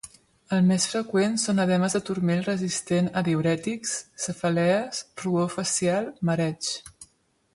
El més freqüent són edemes de turmell resistent a diürètics, cefalees, rubor facial, mareig.